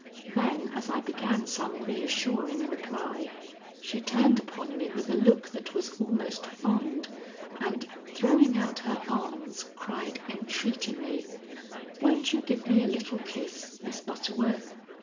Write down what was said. Then as I began some reassuring reply, she turned upon me with a look that was almost fond, and, throwing out her arms, cried entreatingly: "Won't you give me a little kiss, Miss Butterworth?